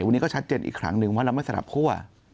วันนี้ก็ชัดเจนอีกครั้งนึงว่าเราไม่สนับคั่ว